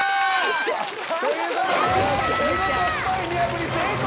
という事で見事スパイ見破り成功！